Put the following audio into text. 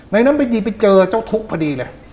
ในนั้นไม่ดีไปเจอเจ้าทุกข์พอดีเลย